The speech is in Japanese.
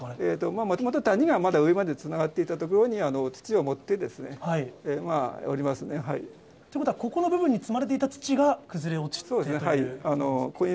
もともと谷がまだ上までつながっていた所に、土を盛ってですね、おりますね。ということは、ここの部分に積まれていた土が崩れ落ちたという。